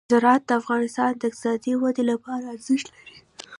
زراعت د افغانستان د اقتصادي ودې لپاره ارزښت لري.